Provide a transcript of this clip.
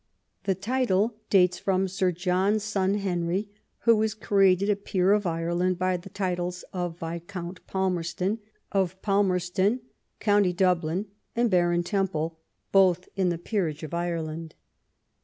The title dates from Sir John's son Henry, who was created a peer of Ireland by the titles of Viscount Palmerston, of Falmerston, co. Dublin, and Baron Temple, both in the peerage of Ireland.